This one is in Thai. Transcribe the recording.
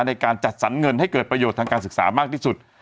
ในการจัดสรรเงินให้เกิดประโยชน์ทางการศึกษามากที่สุด